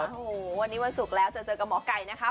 โอ้โหวันนี้วันศุกร์แล้วจะเจอกับหมอไก่นะคะ